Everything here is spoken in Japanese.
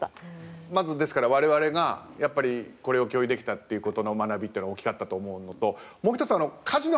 まずですから我々がやっぱりこれを共有できたっていうことの学びっていうのは大きかったと思うのともう一つ火事の話をね